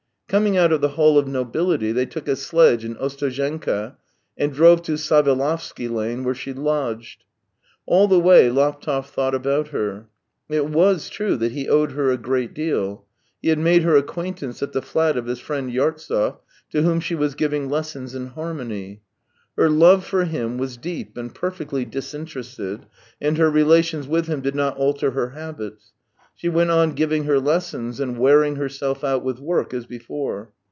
Coming out of the Hall of Nobility, they took a sledge in Ostozhenka and drove to Savelovsky Lane, where she lodged. All the way Laptev thought about her. It was true that he owed her a great deal. He had made her acquaintance at the flat of his friend Yartsev, to whom she was giving lessons in harmony. Her love for him was deep and perfectly disinterested, and her relations with him did not alter her habits; she went on giving her lessons and wearing herself out with work as before.